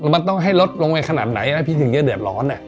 มันต้องให้ลดลงไปขนาดไหนแล้วพิธียังเยอะเดือดร้อนเนี่ย